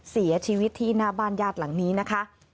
เสียชีวิตที่หน้าบ้านญาติหลังนี้นะคะ